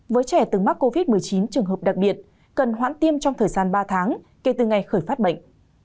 với trẻ từng mắc covid một mươi chín trường hợp đặc biệt cần hoãn tiêm trong thời gian ba tháng kể từ ngày khởi phát bệnh